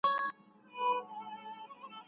هغه مجبورېږي او حالت يې تر ټولو سخت کېږي.